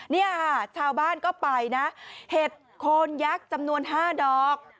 เนี่ยค่ะชาวบ้านก็ไปนะเห็ดโคนยักษ์จำนวน๕ดอก